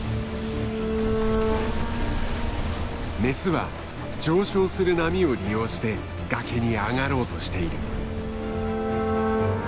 メスは上昇する波を利用して崖に上がろうとしている。